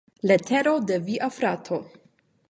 Letero de via frato.